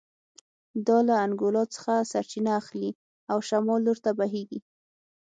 دا له انګولا څخه سرچینه اخلي او شمال لور ته بهېږي